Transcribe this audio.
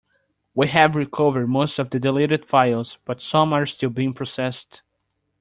We have recovered most of the deleted files, but some are still being processed.